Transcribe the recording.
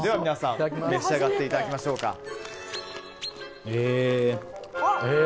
皆さん、召し上がっていただきましょうか。